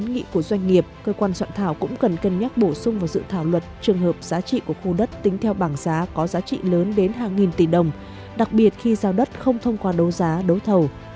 nghị của doanh nghiệp cơ quan soạn thảo cũng cần cân nhắc bổ sung vào dự thảo luật trường hợp giá trị của khu đất tính theo bảng giá có giá trị lớn đến hàng nghìn tỷ đồng đặc biệt khi giao đất không thông qua đấu giá đấu thầu